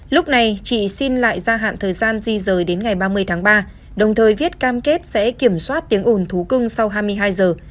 lúc này chị xin lại gia hạn thời gian di rời đến ngày ba mươi tháng ba đồng thời viết cam kết sẽ kiểm soát tiếng ồn thú cưng sau hai mươi hai giờ